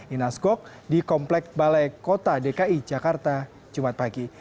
inas gok di komplek balai kota dki jakarta jumat pagi